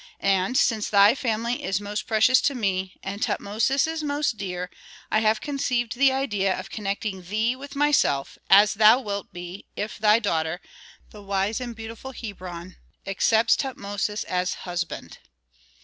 And, since thy family is most precious to me, and Tutmosis is most dear, I have conceived the idea of connecting thee with myself, as thou wilt be, if thy daughter, the wise and beautiful Hebron, accepts Tutmosis as husband."